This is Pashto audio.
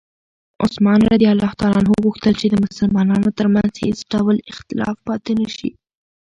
عثمان رض غوښتل چې د مسلمانانو ترمنځ هېڅ ډول اختلاف پاتې نه شي.